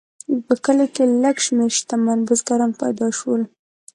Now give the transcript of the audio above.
په کلیو کې لږ شمیر شتمن بزګران پیدا شول.